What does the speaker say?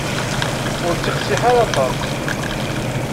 Ur ttiqsiḥ ara aṭas.